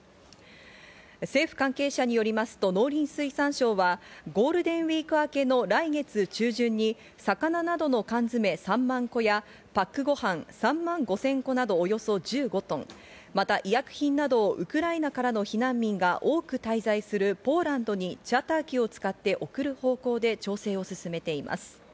政府関係者によりますと農林水産省は、ゴールデンウイーク明けの来月中旬に魚などの缶詰３万個や、パックごはん３万５０００個などおよそ１５トン、また医薬品などをウクライナからの避難民が多く滞在するポーランドにチャーター機を使って送る方向で調整を進めています。